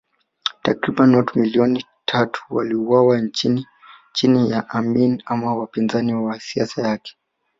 Takriban watu milioni tatu waliuawa chini ya Amin ama wapinzani wa siasa yake